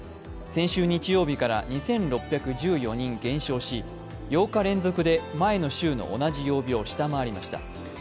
先週日曜日から２６１４人減少し、８日連続で前の週の同じ曜日を下回りました。